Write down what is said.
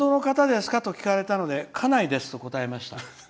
担当の方ですか？と聞かれたので家内ですと答えました。